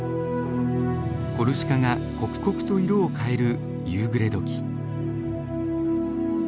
コルシカが刻々と色を変える夕暮れ時。